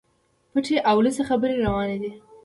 پټي او لڅي خبري رواني دي.